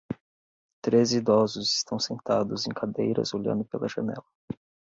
Três idosos estão sentados em cadeiras olhando pela janela.